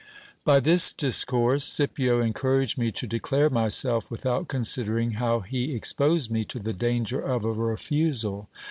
By this discourse, Scipio encouraged me to declare myself, without considering how he exposed me to the danger of a refusal.